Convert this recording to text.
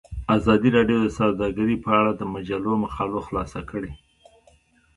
ازادي راډیو د سوداګري په اړه د مجلو مقالو خلاصه کړې.